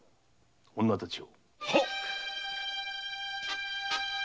女たちを！